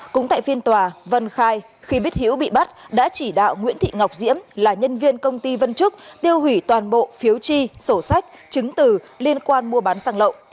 cũng tại phiên tòa vân khai khi biết hiếu bị bắt đã chỉ đạo nguyễn thị ngọc diễm là nhân viên công ty vân trúc tiêu hủy toàn bộ phiếu chi sổ sách chứng từ liên quan mua bán xăng lậu